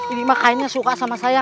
ini mah kayaknya suka sama saya